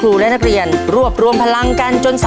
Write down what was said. และวันนี้โรงเรียนไทรรัฐวิทยา๖๐จังหวัดพิจิตรครับ